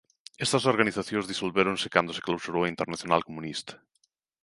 Estas organizacións disolvéronse cando se clausurou a Internacional Comunista.